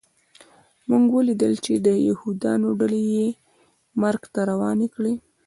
موږ ولیدل چې د یهودانو ډلې یې مرګ ته روانې کړې